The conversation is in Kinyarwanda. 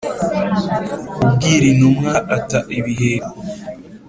Ubwira intumva ata ibiheko.